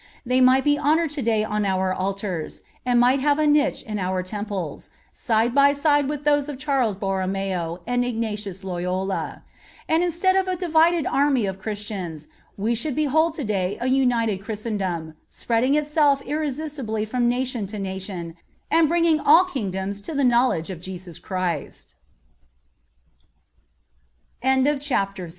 They might be honored today on our altars, and might have a niche in our temples, side by side with those of Charles Borromeo and Ignatius Loyola; and instead of a divided army of Christians, we should behold today a united Christendom, spreading itself irresistibly from nation to nation, and bringing all kingdoms to the knowledge of Jesus Christ. Chapter IV. CATHOLICITY.